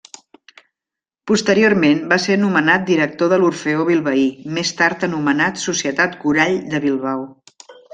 Posteriorment, va ser nomenat director de l'Orfeó Bilbaí, més tard anomenat Societat Corall de Bilbao.